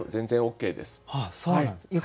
そうなんですか。